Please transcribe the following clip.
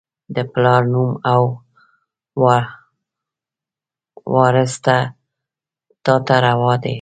د پلار نوم او، وراث تا ته روا دي